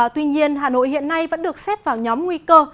tuy nhiên hà nội hiện nay vẫn được xét vào nhóm nguy cơ